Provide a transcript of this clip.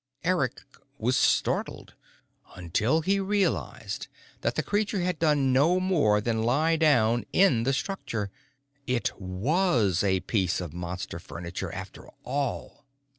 Eric was startled until he realized that the creature had done no more than lie down in the structure. It was a piece of Monster furniture, after all.